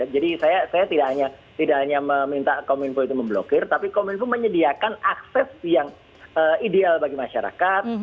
jadi saya tidak hanya meminta kominfo itu memblokir tapi kominfo menyediakan akses yang ideal bagi masyarakat